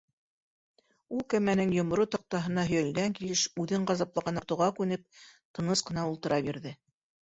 Ул кәмәнең йомро таҡтаһына һөйәлгән килеш, үҙен ғазаплаған ауыртыуға күнеп, тыныс ҡына ултыра бирҙе.